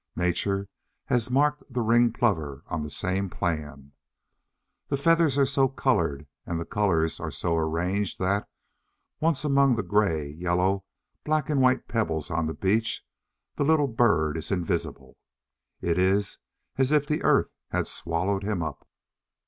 Nature has marked the Ringed Plover on the same plan. The feathers are so coloured and the colours are so arranged that, once among the grey, yellow, black, and white pebbles on the beach, the little bird is invisible. It is as if the earth had swallowed him up.